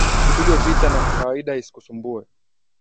Kupigwa vita ni kawaida isikusumbue